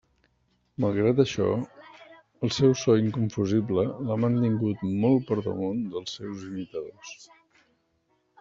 Malgrat això el seu so inconfusible l'ha mantingut molt per damunt dels seus imitadors.